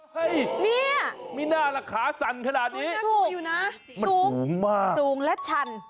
เนี่ยมีหน้าล่ะขาสั่นขนาดนี้สูงมากสูงและชัน